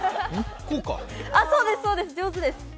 そうです、そうです、上手です。